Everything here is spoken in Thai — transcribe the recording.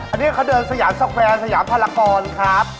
อันนี้เขาเดินสยามสแควร์สยามพลากรครับ